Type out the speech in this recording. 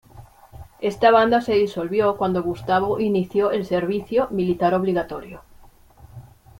Esta banda se disolvió cuando Gustavo inició el servicio militar obligatorio.